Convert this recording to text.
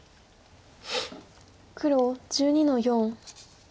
黒１２の四。